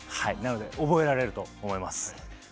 覚えられると思います。